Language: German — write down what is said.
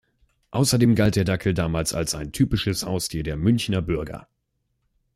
Außerdem galt der Dackel damals als ein typisches Haustier der Münchener Bürger.